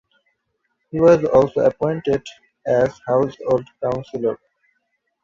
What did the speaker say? He was also appointed as Household Counsellor.